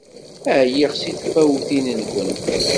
Ɛyiɣ seg tfawtin-nwent!